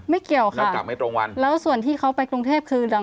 เกี่ยวค่ะแล้วกลับไม่ตรงวันแล้วส่วนที่เขาไปกรุงเทพคือดัง